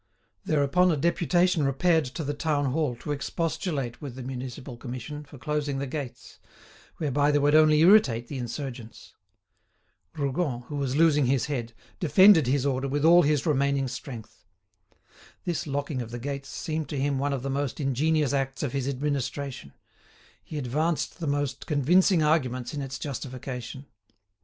Thereupon a deputation repaired to the town hall to expostulate with the Municipal Commission for closing the gates, whereby they would only irritate the insurgents. Rougon, who was losing his head, defended his order with all his remaining strength. This locking of the gates seemed to him one of the most ingenious acts of his administration; he advanced the most convincing arguments in its justification.